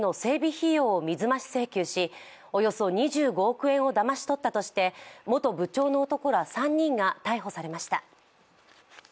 費用を水増し請求しおよそ２５億円をだまし取ったとして元部長の男ら３人が逮捕されました。